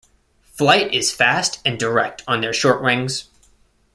Flight is fast and direct on their short wings.